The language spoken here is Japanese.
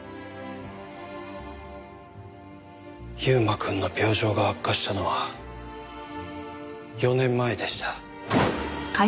優馬くんの病状が悪化したのは４年前でした。